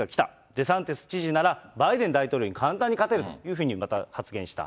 デサンティス知事なら、バイデン大統領に簡単に勝てるというふうに、また発言した。